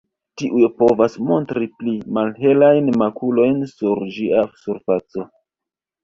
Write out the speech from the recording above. Tiuj povas montri pli malhelajn makulojn sur ĝia surfaco.